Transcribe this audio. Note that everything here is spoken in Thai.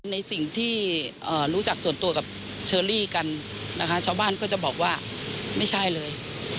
ในสิ่งที่รู้จักส่วนตัวกับเชอรี่กันนะคะชาวบ้านก็จะบอกว่าไม่ใช่เลย